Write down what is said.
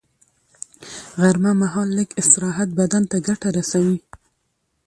غرمه مهال لږ استراحت بدن ته ګټه رسوي